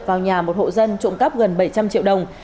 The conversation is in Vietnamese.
vào nhà một hộ dân trộm cắp gần bảy trăm linh triệu đồng